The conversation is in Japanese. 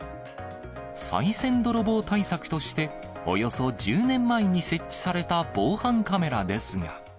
さい銭泥棒対策として、およそ１０年前に設置された防犯カメラですが。